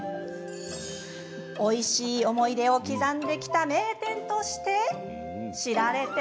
おいしい思い出を刻んできた名店として知られているのです。